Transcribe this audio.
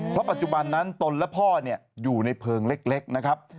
เพราะปัจจุบันนั้นตนและพ่ออยู่ในเพลิงเล็กนะครับ